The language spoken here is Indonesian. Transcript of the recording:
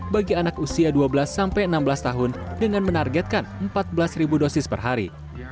bagi anak usia dua belas sampai enam belas tahun dengan menargetkan empat belas dosis per hari